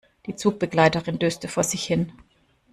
Die Zugbegleiterin döste vor sich hin.